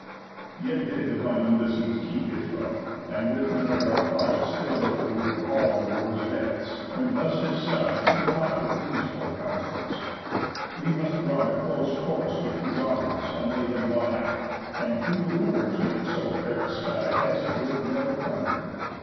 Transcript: Yet did divine Ulysses keep his roof, And with Minerva plotted still the proof Of all the Wooers' deaths; when thus his son He taught with these fore counsels: "We must run A close course with these arms, and lay them by, And to the Wooers make so fair a sky As it would never thunder.